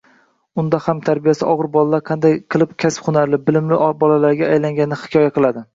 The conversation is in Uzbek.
Unda ham tarbiyasi ogʻir bolalar qanday qilib kasb-hunarli, bilimli bolalarga aylangani hikoya qiladi